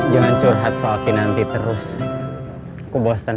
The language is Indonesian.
jangan curhat soal kinanti terus ku bosten